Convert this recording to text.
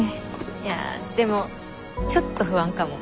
いやでもちょっと不安かも。